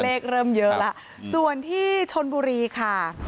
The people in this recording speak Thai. เริ่มเยอะแล้วส่วนที่ชนบุรีค่ะ